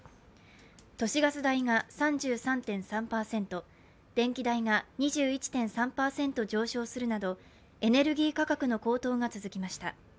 都市ガス代が３３．３％、電気代が２１．３％上昇するなどエネルギー価格の高騰が続きました。